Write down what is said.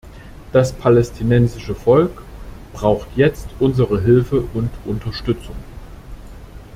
Das palästinensische Volk braucht jetzt unsere Hilfe und Unterstützung.